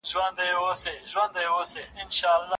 اوښکه د باڼو پر سر تکیه یمه تویېږمه